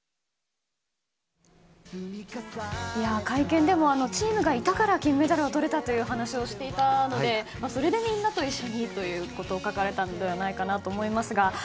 会見でもチームがいたから金メダルを取れたというお話をしていたのでそれで、みんなと一緒にということを書かれたのではないかなと思います。